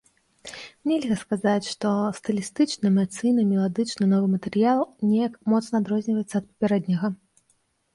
Нельга сказаць, што стылістычна, эмацыйна, меладычна новы матэрыял неяк моцна адрозніваецца ад папярэдняга.